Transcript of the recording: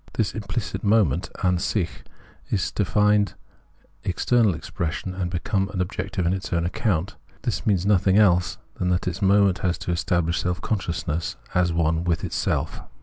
This impHcit moment (AnsicJi) has to find external expression, and become objective on its own account. This means nothing else than that this moment has to establish self consciousness as one with itself.